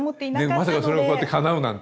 まさかそれがこうやってかなうなんて。